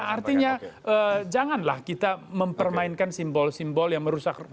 artinya janganlah kita mempermainkan simbol simbol yang merusak